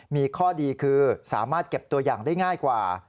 มีข้อดีคือสามารถเก็บตัวอย่างได้ง่ายกว่า